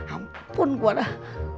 ampun gua dah